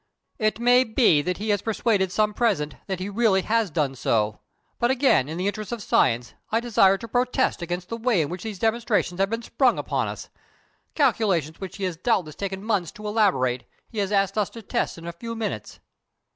It may be that he has persuaded some present that he really has done so; but, again, in the interests of science, I desire to protest against the way in which these demonstrations have been sprung upon us. Calculations which he has doubtless taken months to elaborate, he has asked us to test in a few minutes.